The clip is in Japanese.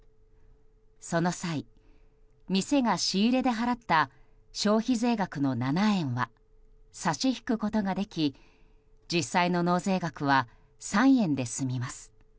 その際、店が仕入れで払った消費税額の７円は差し引くことができ実際の納税額は３円で済みます。